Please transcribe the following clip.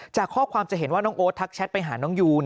จากข้อความจะเห็นว่าน้องโอ๊ตทักแชทไปหาน้องยู